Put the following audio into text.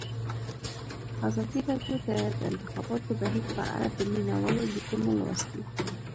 ازادي راډیو د د انتخاباتو بهیر په اړه د مینه والو لیکونه لوستي.